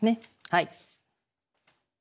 はい。